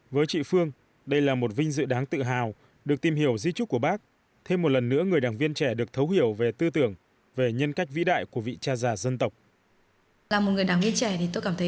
với chị phương đây là một vinh dự đáng tự hào được tìm hiểu di trúc của bác thêm một lần nữa người đảng viên trẻ được thấu hiểu về tư tưởng về nhân cách vĩ đại của vị cha già dân tộc